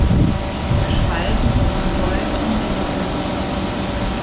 Gespalten von Gold und Grün.